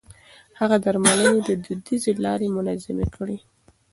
هغه د درملنې دوديزې لارې منظمې کړې.